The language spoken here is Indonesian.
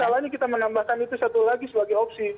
iya itu apa salahnya kita menambahkan itu satu lagi sebagai opsi